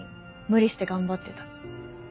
無理して頑張ってた。